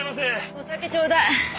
お酒ちょうだい。